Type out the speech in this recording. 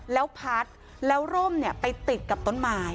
แล้วพัดแล้วร่มไปติดกับต้นไม้